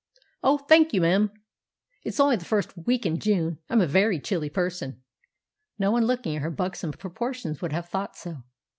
"Oh, thank you, m'm. It's only the first week in June. I'm a very chilly person" (no one looking at her buxom proportions would have thought so!)